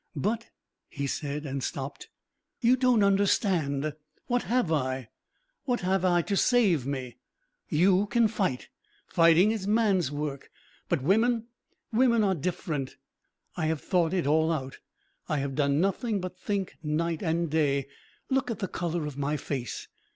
"But " he said and stopped. "You don't understand. What have I? What have I to save me? You can fight. Fighting is man's work. But women women are different.... I have thought it all out, I have done nothing but think night and day. Look at the colour of my face!